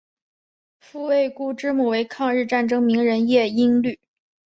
傅慰孤之母为抗日战争名人叶因绿。